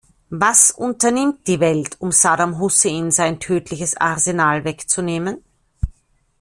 Was unternimmt die Welt, um Saddam Hussein sein tödliches Arsenal wegzunehmen?